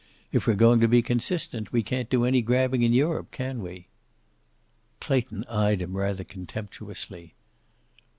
If we're going to be consistent, we can't do any grabbing in Europe, can we?" Clayton eyed him rather contemptuously.